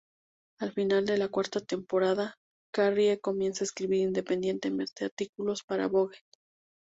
Al final de la cuarta temporada, Carrie comienza a escribir independientemente artículos para "Vogue".